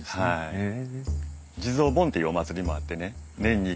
へえ。